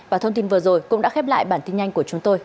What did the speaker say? và thông tin vừa rồi cũng đã khép lại bản tin nhanh của chúng tôi